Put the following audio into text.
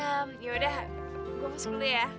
eh bel eh yaudah gue puas dulu ya